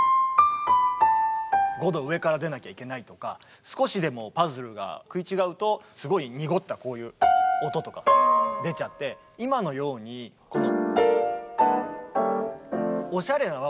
５度上から出なきゃいけないとか少しでもパズルが食い違うとすごい濁ったこういう音とか出ちゃって今のようにこの。